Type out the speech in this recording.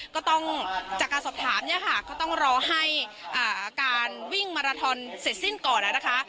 ก็ต้องจากการสอบถามเนี่ยค่ะก็ต้องรอให้การวิ่งมาราทอนเสร็จสิ้นก่อนแล้วนะคะ